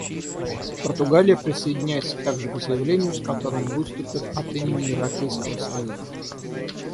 Португалия присоединяется также к заявлению, с которым выступят от имени Европейского союза.